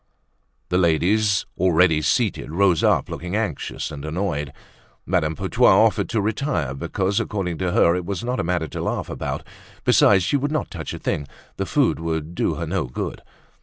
The ladies already seated rose up looking anxious and annoyed. Madame Putois offered to retire because according to her it was not a matter to laugh about; besides she would not touch a thing, the food would do her no good.